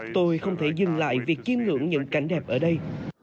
tôi không thể dừng lại việc chiêm ngưỡng những cảnh đẹp ở đây